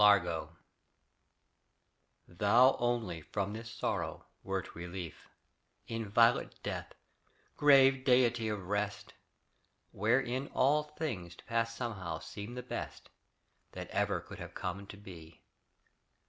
LARGO Thou only from this sorrow wert relief, Inviolate death, grave deity of rest, Wherein all things past somehow seem the best That ever could have come to be.